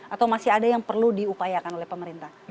atau masih ada yang perlu diupayakan oleh pemerintah